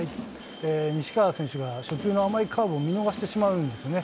西川選手が初球の甘いカーブを見逃してしまうんですよね。